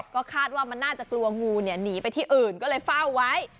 ก็คาดว่ามันน่าจะกลัวงูหนีไปที่อื่นก็เลยเฝ้าไว้